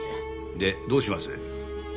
でどうします？